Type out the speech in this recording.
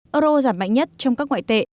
euro giảm mạnh nhất trong các ngoại tệ